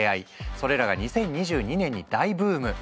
それらが２０２２年に大ブーム！